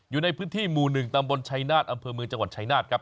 อยู่ในพื้นที่หมู่๑ตำบลชัยนาศอำเภอเมืองจังหวัดชายนาฏครับ